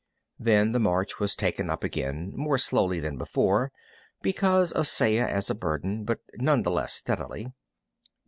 Then the march was taken up again, more slowly than before, because of Saya as a burden, but none the less steadily.